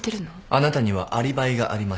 あなたにはアリバイがありました。